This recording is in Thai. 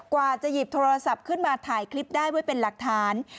กว่าจะหยิบโทรศัพท์ขึ้นมาถ่ายคลิปได้ไว้เป็นหลักฐาน